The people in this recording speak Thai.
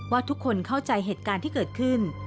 ว่าทุกคนเข้าใจเหตุการณ์ที่เกิดขึ้น